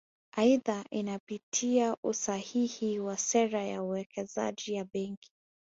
Aidha inapitia usahihi wa sera ya uwekezaji ya Benki